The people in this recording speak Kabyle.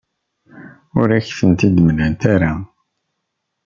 Ur ak-tent-id-mlant ara.